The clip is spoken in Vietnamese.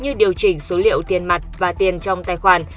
như điều chỉnh số liệu tiền mặt và tiền trong tài khoản